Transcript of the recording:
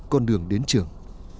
con đường đến trường